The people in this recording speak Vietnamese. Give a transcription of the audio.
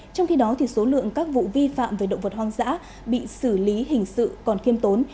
trong khi đó số lượng các vụ vi phạm về động vật hoang dã bị xử lý hình sự còn khiêm tốn